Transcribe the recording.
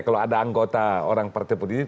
kalau ada anggota orang partai politik